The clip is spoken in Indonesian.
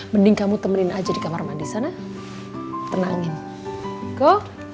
mending kamu temenin aja di kamar mandi sana tenangin kok